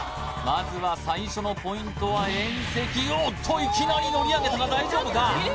まずは最初のポイントは縁石おっといきなり乗り上げたが大丈夫か？